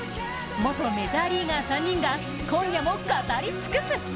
元メジャーリーガー３人が今夜も語り尽くす。